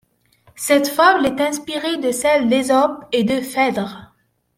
Cette fable est inspirée de celles d'Ésope et de Phèdre.